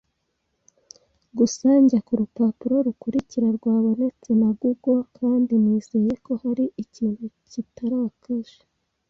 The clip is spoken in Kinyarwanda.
Gusa njya kurupapuro rukurikira rwabonetse na Google kandi nizeye ko hari ikintu kitarakaje.